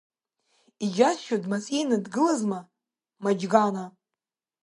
Иџьасшьо, дмазеины дгылазма Маџьгана?